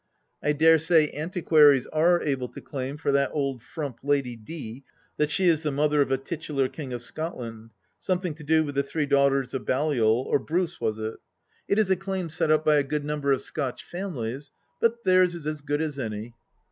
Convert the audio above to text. I dare say antiquaries are able to claim for that old frump Lady D. that she is the mother of a titular king of Scotland— something to do with the three daughters of Balliol— or Bruce, was it ? It is a claim set THE LAST DITCH 187 up by a good number of Scotch families — ^but theirs is as good as any.